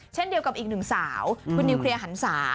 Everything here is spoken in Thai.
เช่นเดียวกับอีกหนึ่งสาวคุณนิวเคลียร์หันศา